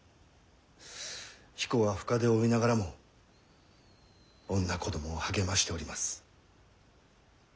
彦は深手を負いながらも女子供を励ましております。